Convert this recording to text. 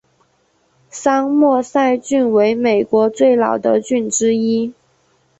桑莫塞郡为美国最老的郡之一。